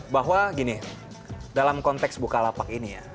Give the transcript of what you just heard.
bahwa gini dalam konteks bukalapak ini ya